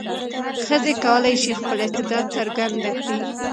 ښځې کولای شي خپل استعداد څرګند کړي.